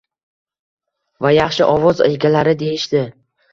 va yaxshi ovoz egalari deyishdi.